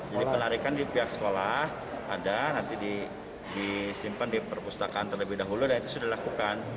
jadi penarikan di pihak sekolah ada nanti disimpan di perpustakaan terlebih dahulu dan itu sudah dilakukan